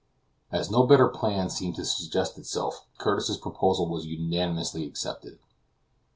As no better plan seemed to suggest itself, Curtis's proposal was unanimously accepted.